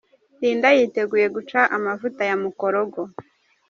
Linda yiteguye guca amavuta ya ’Mukorogo’.